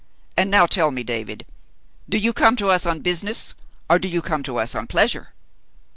"And now tell me, David, do you come to us on business or do you come to us on pleasure?"